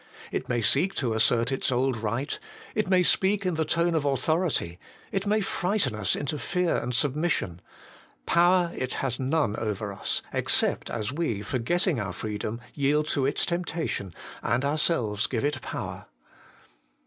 It may seek to assert its old right; it may speak in the tone of autho rity ; it may frighten us into fear and submission ; power it has none over us, except as we, forget ting our freedom, yield to its temptation, and our selves give it power.